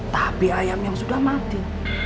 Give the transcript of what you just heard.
tapi ayam yang sudah mati